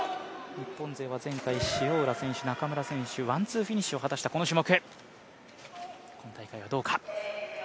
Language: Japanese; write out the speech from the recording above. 日本勢は前回塩浦選手、中村選手、ワン・ツーフィニッシュを果たしたこの種目。